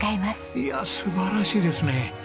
いやあ素晴らしいですね。